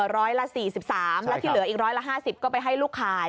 ร้อยละ๔๓แล้วที่เหลืออีกร้อยละ๕๐ก็ไปให้ลูกขาย